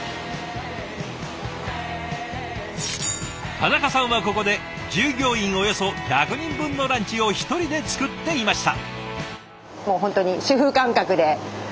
田中さんはここで従業員およそ１００人分のランチを１人で作っていました。